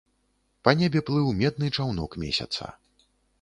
Па небе плыў медны чаўнок месяца.